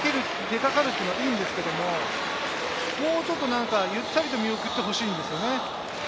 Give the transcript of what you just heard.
出かかるというのは良いんですけれど、もうちょっと何か、ゆったり見送ってほしいんですよね。